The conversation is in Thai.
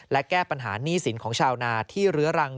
และแก้ปัญหาหนี้สินของชาวนาที่เรื้อรัง